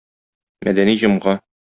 Мәдәни җомга.